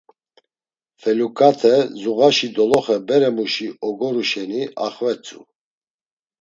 Feluǩate zuğaşi doloxe beremuşi ogoru şeni axvetzu.